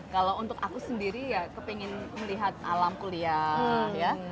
kalau untuk aku sendiri ya kepingin melihat alam kuliah ya